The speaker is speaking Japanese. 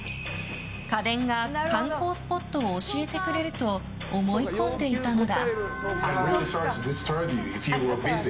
家電が観光スポットを教えてくれると思い込んでいたのだ。